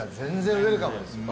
ウェルカムです。